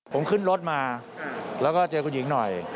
ผมขึ้นรถมาแล้วก็เจอคุณหญิงหน่อย